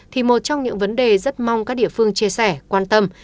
thì một trong những vấn đề rất mong các địa phương chia sẻ quan tâm